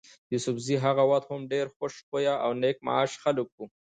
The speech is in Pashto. يوسفزي هغه وخت هم ډېر خوش خویه او نېک معاش خلک ول.